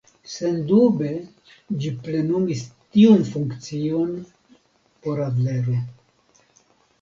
Sendube ĝi plenumis tiun funkcion por Adlero.